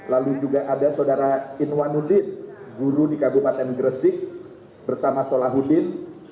lalu juga ada saudara inwanudin guru di kabupaten gresik bersama solahuddin